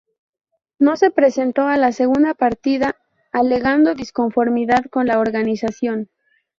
No se presentó a la segunda partida alegando disconformidad con la organización.